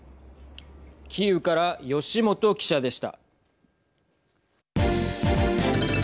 キーウから吉元記者でした。